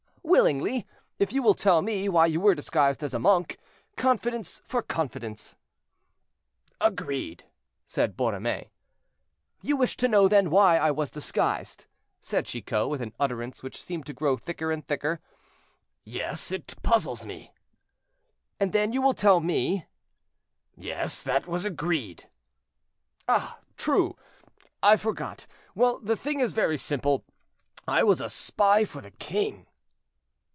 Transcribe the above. "Willingly, if you will tell me why you were disguised as a monk. Confidence for confidence." "Agreed," said Borromée. "You wish to know, then, why I was disguised," said Chicot, with an utterance which seemed to grow thicker and thicker. "Yes, it puzzles me." "And then you will tell me?" "Yes, that was agreed." "Ah! true; I forgot. Well, the thing is very simple; I was a spy for the king."